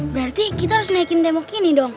berarti kita harus naikin temok ini dong